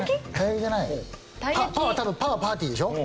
「パ」は多分「パ」は「パーティー」でしょ？